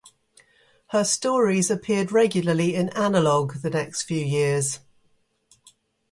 Her stories appeared regularly in "Analog" the next few years.